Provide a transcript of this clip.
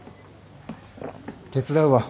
手伝うわ。